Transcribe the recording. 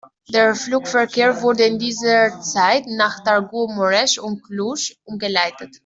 Der Flugverkehr wurde in dieser Zeit nach Târgu Mureș und Cluj umgeleitet.